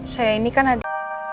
saya ini kan ada